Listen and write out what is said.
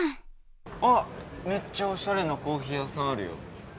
あ、めっちゃおしゃれなコーヒー屋さんあるよ。